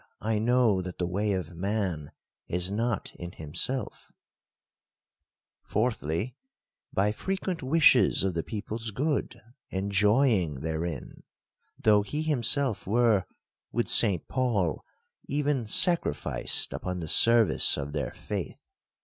I know that the way of man is not in himself, &c. — Fourthly, by frequent wishes of the people's good, and joying therein ; though he himself were, with St. Paul, even sacrificed upon the service of their faith.